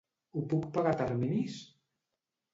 Ho puc pagar a terminis?